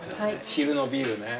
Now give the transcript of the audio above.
昼のビールね。